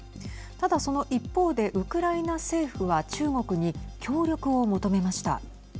ただその一方でウクライナ政府は中国に協力を求めました。